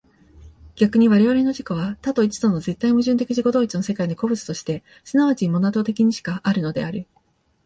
逆に我々の自己は多と一との絶対矛盾的自己同一の世界の個物として即ちモナド的にしかあるのである。